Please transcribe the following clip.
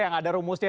yang ada rumusnya